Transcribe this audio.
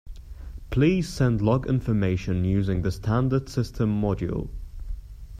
Please send log information using the standard system module.